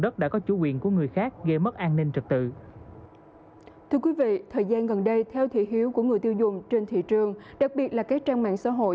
thời gian gần đây theo thị hiếu của người tiêu dùng trên thị trường đặc biệt là các trang mạng xã hội